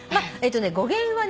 語源はね